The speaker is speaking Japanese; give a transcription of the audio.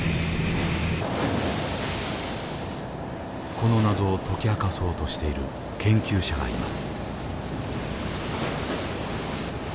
この謎を解き明かそうとしている研究者がいます。